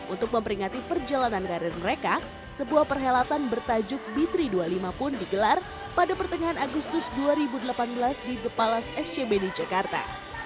untuk memperingati perjalanan karir mereka sebuah perhelatan bertajuk b tiga ratus dua puluh lima pun digelar pada pertengahan agustus dua ribu delapan belas di thepalas scb di jakarta